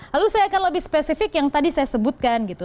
lalu saya akan lebih spesifik yang tadi saya sebutkan gitu